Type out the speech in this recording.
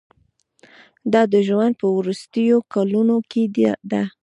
دا د ژوند په وروستیو کلونو کې ده.